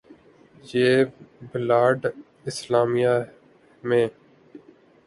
یہ بلاد اسلامیہ ہیں۔